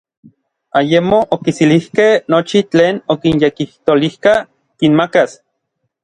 Ayemo okiselijkej nochi tlen okinyekijtolijka kinmakas.